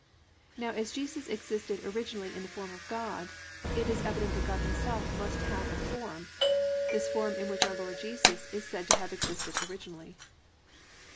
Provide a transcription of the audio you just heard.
Now as Jesus existed originally "in the form of God," it is evident that God Himself must have a form, this form in which our Lord Jesus is said to have existed originally.